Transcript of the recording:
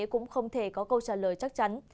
cũng không thể có câu trả lời chắc chắn